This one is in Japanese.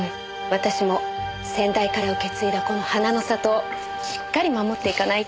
私も先代から受け継いだこの「花の里」をしっかり守っていかないと。